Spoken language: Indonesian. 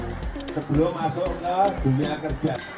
sebelum masuk ke dunia kerja